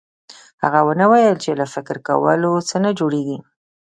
هغه ونه ويل چې له فکر کولو څه نه جوړېږي.